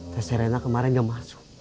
terserena kemarin gak masuk